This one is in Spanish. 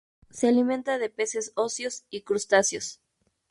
Se alimenta de peces óseos, y crustáceos.